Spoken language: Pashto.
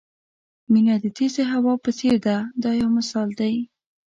مینه د تېزې هوا په څېر ده دا یو مثال دی.